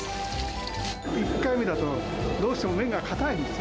１回目だと、どうしても麺が硬いんですよ。